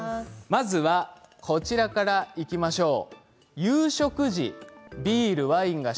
まずはこちらからいきましょう。